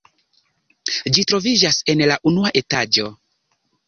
Ĝi troviĝas en la unua etaĝo.